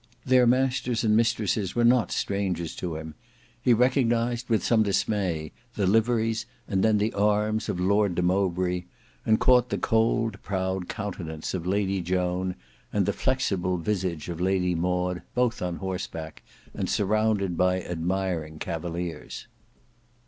Their masters and mistresses were not strangers to him: he recognized with some dismay the liveries, and then the arms of Lord de Mowbray, and caught the cold, proud countenance of Lady Joan, and the flexible visage of Lady Maud, both on horseback, and surrounded by admiring cavaliers.